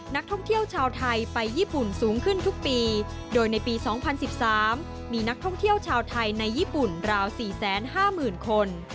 นักท่องเที่ยวชาวไทยไปญี่ปุ่นสูงขึ้นทุกปีโดยในปี๒๐๑๓มีนักท่องเที่ยวชาวไทยในญี่ปุ่นราว๔๕๐๐๐คน